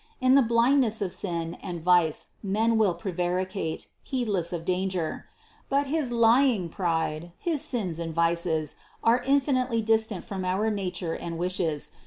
In the blindness of sin and vice men will prevaricate, heedless of danger. But his lying pride, his sins and vices, are infinitely distant from our nature and wishes.